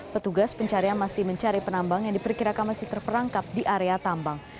petugas pencarian masih mencari penambang yang diperkirakan masih terperangkap di area tambang